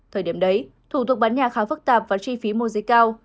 thời điểm đấy thủ tục bán nhà khá phức tạp và chi phí mua giấy cao